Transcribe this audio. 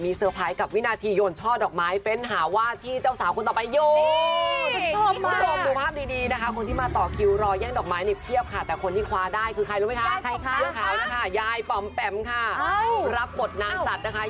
ไม่งั้นยากุธิพ่อแฝมนะคะ